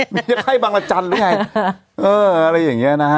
มีค่ายบางระจันหรือไงอะไรอย่างนี้นะฮะ